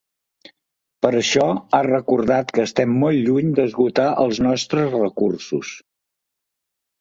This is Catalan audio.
Per això ha recordat que estem molt lluny d’esgotar els nostres recursos.